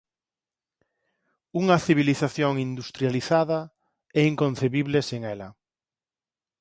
Unha civilización industrializada é inconcibible sen ela.